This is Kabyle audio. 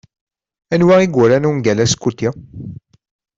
Anwa i yuran ungal Askuti?